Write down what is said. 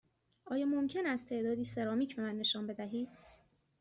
آیا ممکن است تعدادی سرامیک به من نشان بدهید؟